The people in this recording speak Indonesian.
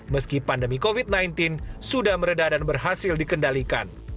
meski pandemi covid sembilan belas sudah meredah dan berhasil dikendalikan